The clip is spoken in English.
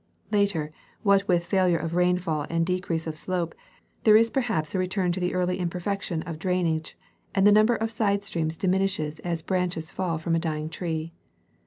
Later, what with failure of rainfall and de crease of slope, there is perhaps a return to the early imperfection of drainage, and the number of side streams diminishes as branches fall from a dying tree.